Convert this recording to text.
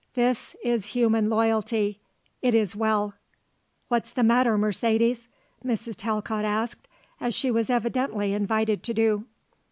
This is human loyalty. It is well." "What's the matter, Mercedes?" Mrs. Talcott asked, as she was evidently invited to do.